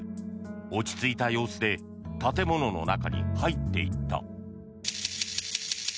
落ち着いた様子で建物の中に入っていった。